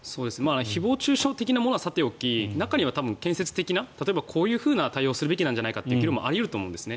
誹謗・中傷的なものはさておき中には建設的な、例えばこういう対応をすべきだというものもあり得ると思うんです。